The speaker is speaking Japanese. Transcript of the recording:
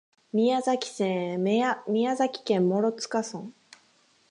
宮崎県諸塚村